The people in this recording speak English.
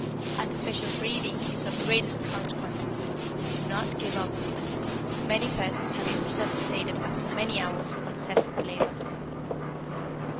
Artificial breathing is of greatest consequence. Do not give up. Many persons have been resuscitated after many hours of incessant labor.